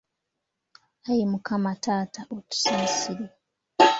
Ayi Mukama taata otusaasire.